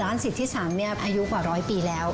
ร้านสิทธิ์ที่๓นี่อายุกว่าร้อยปีแล้ว